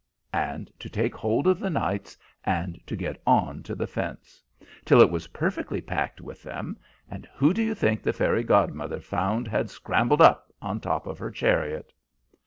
and to take hold of the knights, and to get on to the fence, till it was perfectly packed with them; and who do you think the fairy godmother found had scrambled up on top of her chariot?"